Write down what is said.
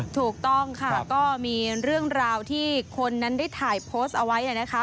ถูกต้องค่ะก็มีเรื่องราวที่คนนั้นได้ถ่ายโพสต์เอาไว้นะคะ